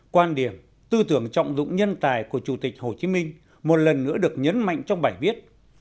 quan điểm tư tưởng trọng dụng nhân tài của chủ tịch hồ chí minh một lần nữa được nhấn mạnh trong bài viết